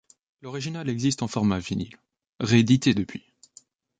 L'original existe en format vinyle, ré-édité depuis.